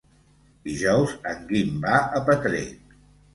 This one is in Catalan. Dijous en Guim va a Petrer.